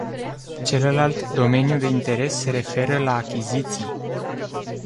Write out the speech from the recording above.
Celălalt domeniu de interes se referă la achiziții.